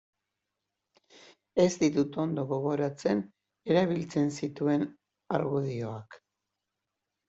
Ez ditut ondo gogoratzen erabiltzen zituen argudioak.